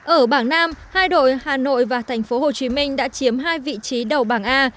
ở bảng nam hai đội hà nội và thành phố hồ chí minh đã chiếm hai vị trí đầu bảng a